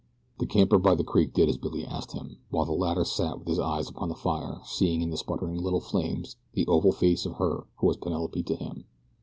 The camper by the creek did as Billy asked him, while the latter sat with his eyes upon the fire seeing in the sputtering little flames the oval face of her who was Penelope to him.